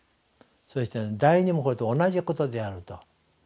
そして第二もこれと同じことであると。